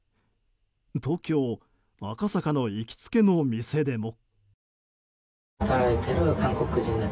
東京・赤坂の行きつけの店でも。